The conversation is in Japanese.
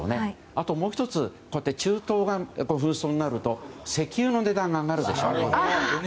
あともう１つ中東が紛争になると石油の値段が上がるでしょ。